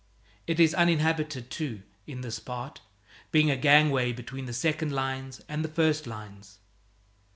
It is uninhabited, too, in this part, being a gangway between the second lines and the first lines.